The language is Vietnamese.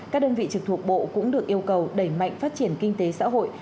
các đơn vị trực thuộc bộ cũng được yêu cầu đẩy mạnh phát triển kinh tế xã hội